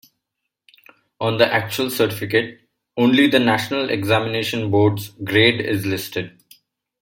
On the actual certificate, only the national examination board's grade is listed.